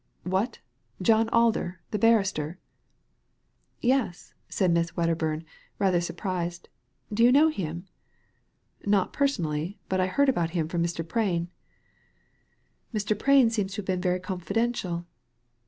"What I John Alder the barrister?" " Yes," said Miss Wedderbum, rather surprised ; do you know him ?" ^Not personally; but I heard about him from Mr. Prain." ^ Mn Prain seems to have been very confidential.